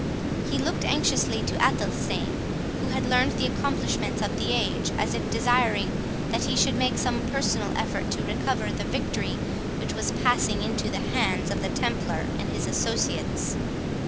He looked anxiously to Athelstane, who had learned the accomplishments of the age, as if desiring that he should make some personal effort to recover the victory which was passing into the hands of the Templar and his associates.